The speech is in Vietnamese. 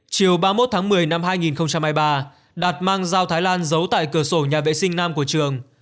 chiều ba mươi một tháng một mươi năm hai nghìn hai mươi ba đạt mang dao thái lan giấu tại cửa sổ nhà vệ sinh nam của trường